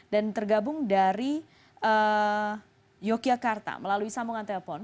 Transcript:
dan tergabung dari yogyakarta melalui sambungan telepon